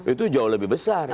itu jauh lebih besar